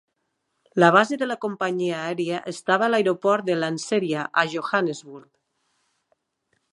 La base de la companyia aèria estava a l'aeroport de Lanseria, a Johannesburg.